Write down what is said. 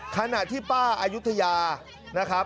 ขณะที่ป้าอายุทยา